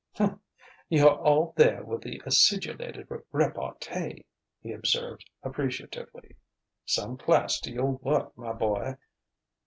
"You're all there with the acidulated repartee," he observed appreciatively. "Some class to your work, my boy!"